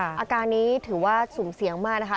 อาการนี้ถือว่าสุ่มเสี่ยงมากนะคะ